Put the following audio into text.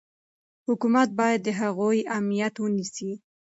حکومت باید د هغوی امنیت ونیسي.